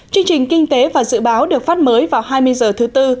chương trình kinh tế và dự báo được phát mới vào hai mươi h thứ tư